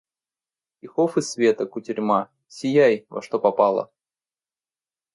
Стихов и света кутерьма — сияй во что попало!